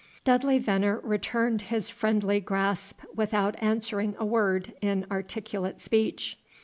Dudley Venner returned his friendly grasp, without answering a word in articulate speech.